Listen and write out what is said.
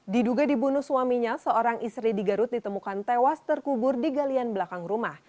diduga dibunuh suaminya seorang istri di garut ditemukan tewas terkubur di galian belakang rumah